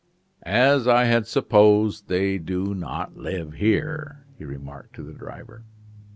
"As I had supposed, they do not live here," he remarked to the driver.